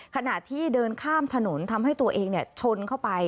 ขณะที่เดินข้ามถนนทำให้ตัวเองชนเข้าไป